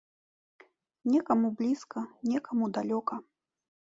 Некаму блізка, некаму далёка.